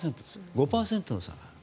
５％の差がある。